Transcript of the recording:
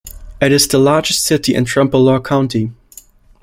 It is the largest city in Trempealeau county.